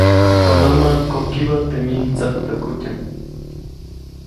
Konämä, kokibä teʼ mij mdsäktäjkutyaʼm.